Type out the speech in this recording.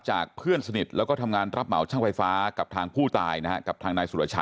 จากเพื่อนสนิทแล้วก็ทำงานรับเหมาชั่งไฟฟ้ากับทางผู้ตายนะฮะ